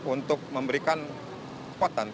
untuk mencari penyelesaian